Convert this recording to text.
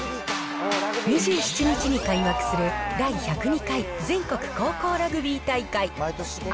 ２７日に開幕する、第１０２回全国高校ラグビー大会。